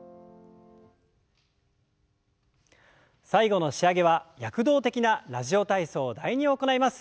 最後の仕上げは躍動的な「ラジオ体操第２」を行います。